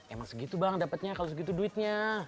emang segitu bang dapatnya kalau segitu duitnya